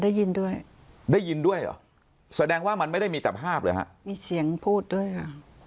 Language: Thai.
ได้ยินด้วยได้ยินด้วยเหรอแสดงว่ามันไม่ได้มีแต่ภาพเลยฮะมีเสียงพูดด้วยค่ะ